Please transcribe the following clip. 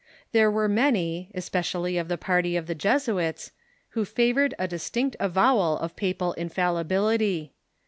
There were many, especially of the party of the Jesuits, who favored a distinct avowal of papal infallibilitj.